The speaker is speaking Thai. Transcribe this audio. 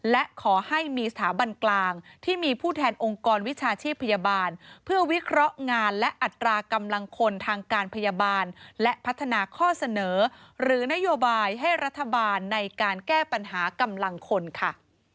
และขอให้มีสถาบันกลางที่มีผู้แทนองค์กรวิชาชีพพยาบาลเพื่อวิเคราะห์งานและอัตรากำลังคนทางการพยาบาลและพัฒนาข้อเสนอหรือนโยบายให้รัฐบาลในการแก้ปัญหากำลังคนค่ะ